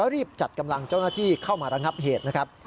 รีบจัดกำลังเจ้าหน้าที่เข้ามาระงับเหตุนะครับ